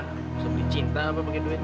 bisa beli cinta apa bagian duit